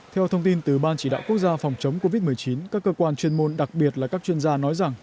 theo thông tin từ ban chỉ đạo quốc gia phòng chống covid một mươi chín các cơ quan chuyên môn đặc biệt là các chuyên gia nói rằng